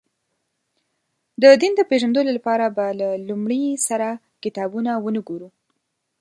د دین د پېژندلو لپاره به له لومړي سره کتابونه ونه ګورو.